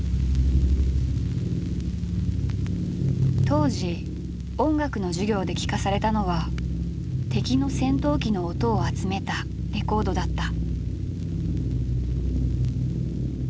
「」当時音楽の授業で聴かされたのは敵の戦闘機の音を集めたレコードだった。